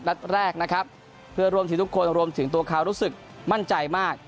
ดัดแรกรวมที่ทุกคนรวมถึงตัวเขารู้สึกมั่นใจมาก